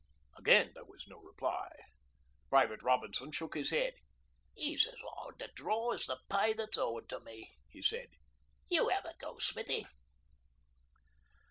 Again there was no reply. Private Robinson shook his head. ''E's as 'ard to draw as the pay that's owin' to me,' he said. 'You 'ave a go, Smithy.'